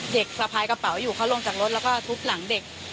สะพายกระเป๋าอยู่เขาลงจากรถแล้วก็ทุบหลังเด็ก